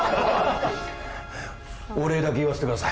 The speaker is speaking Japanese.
お礼だけ言わしてください